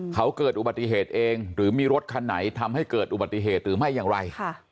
เขาเกิดอุบัติเหตุเองหรือมีรถคันไหนทำให้เกิดอุบัติเหตุหรือไม่อย่างไร